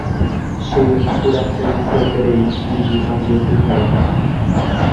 Che apuraheisetereíkuri ange pyhare.